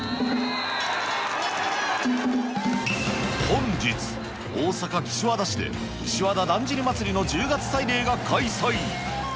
本日、大阪・岸和田市で、岸和田だんじり祭の１０月祭礼が開催。